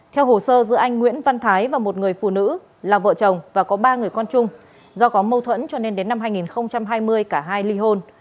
theo hồ sơ giữa anh nguyễn văn thái và một người phụ nữ là vợ chồng và có ba người con chung do có mâu thuẫn cho nên đến năm hai nghìn hai mươi cả hai ly hôn